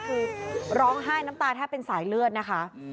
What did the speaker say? คือร้องไห้น้ำตาแทบเป็นสายเลือดนะคะ